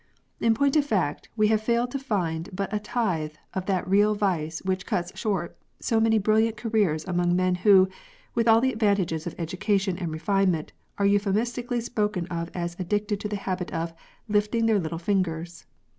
In point of fact, we have failed to find but a tithe of that real vice which cuts short so many brilliant careers amono: men who, with all the advantao^es of education and refinement, are euphemistically spoken of as addicted to the habit of " lifting their little fingers."